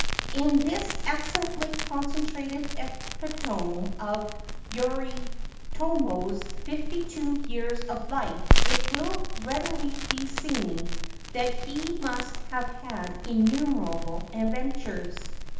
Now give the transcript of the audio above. In this excellently concentrated epitome of Yoritomo's fifty two years of life, it will readily be seen that he must have had innumerable adventures.